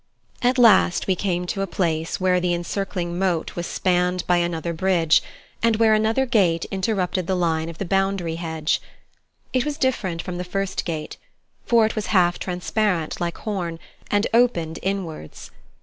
At last we came to a place where the encircling moat was spanned by another bridge, and where another gate interrupted the line of the boundary hedge. It was different from the first gate; for it was half transparent like horn, and opened inwards.